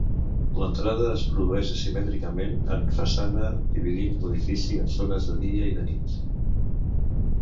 L'entrada es produeix asimètricament en façana dividint l'edifici en zones de dia i nit.